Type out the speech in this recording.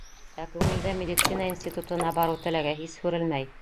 Ә күңелдә медицина институтына барыу теләге һис һүрелмәй.